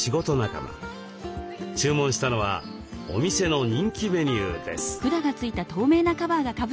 注文したのはお店の人気メニューです。